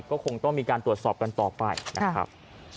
ก็คงต้องมีการตรวจสอบกันต่อไปนะครับ